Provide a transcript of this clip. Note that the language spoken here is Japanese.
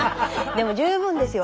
でも十分ですよ。